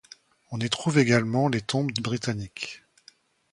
On y trouve également les tombes de britanniques.